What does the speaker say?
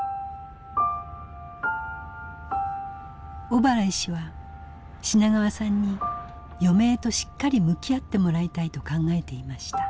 小原医師は品川さんに余命としっかり向き合ってもらいたいと考えていました。